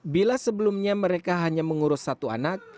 bila sebelumnya mereka hanya mengurus satu anak